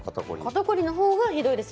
肩凝りのほうがひどいです